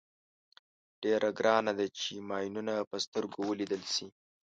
ډېره ګرانه ده چې ماینونه په سترګو ولیدل شي.